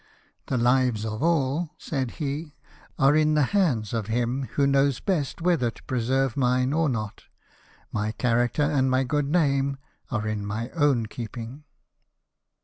" The lives of all," said he, " are in the hand of Him who knows best whether to preserve mine or not, my character and good name are in my own keeping."